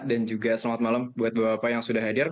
dan juga selamat malam buat bapak bapak yang sudah hadir